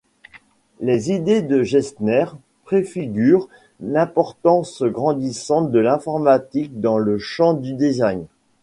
Les idées de Gerstner préfigurent l'importance grandissante de l'informatique dans le champ du design.